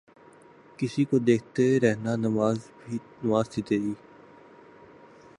کسی کو دیکھتے رہنا نماز تھی تیری